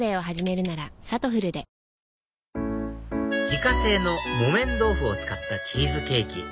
自家製の木綿豆腐を使ったチーズケーキ